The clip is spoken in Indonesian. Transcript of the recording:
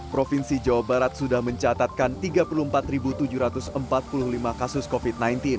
provinsi jawa barat sudah mencatatkan tiga puluh empat tujuh ratus empat puluh lima kasus covid sembilan belas